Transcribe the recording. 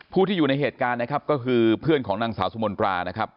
ผู้ที่อยู่ในเหตุการณ์นะครับก็คือเพื่อนของนางสาวสุมนตรานะครับ